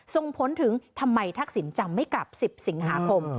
ทรงพ้นถึงทำไมทักศิลป์จำไม่กลับ๑๐สิงหาคม